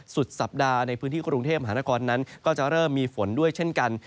สุดสัปดาห์ในพื้นที่กรุงเทพมหานครนั้นก็จะเริ่มมีฝนด้วยเช่นกัน